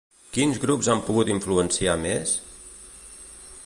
Quins grups han pogut influenciar més?